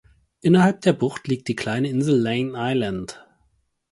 Innerhalb der Bucht liegt die kleine Insel Laing Island.